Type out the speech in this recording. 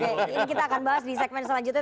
oke ini kita akan bahas di segmen selanjutnya